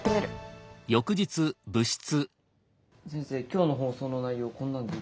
今日の放送の内容こんなんで。